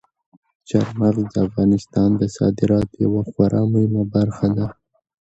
چار مغز د افغانستان د صادراتو یوه خورا مهمه برخه ده.